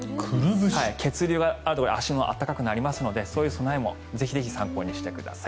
血流、足が温かくなりますのでそういう備えもぜひぜひ参考にしてください。